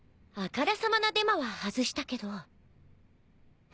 あからさまなデマは外したけど。